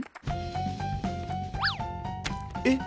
えっ！